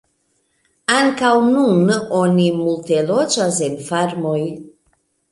Ankaŭ nun oni multe loĝas en farmoj.